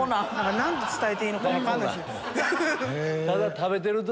何て伝えていいのか分かんないです。